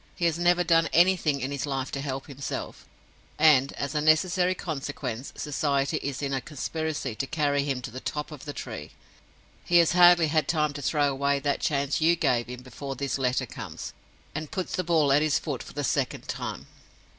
"He has never done anything in his life to help himself, and, as a necessary consequence, Society is in a conspiracy to carry him to the top of the tree. He has hardly had time to throw away that chance you gave him before this letter comes, and puts the ball at his foot for the second time.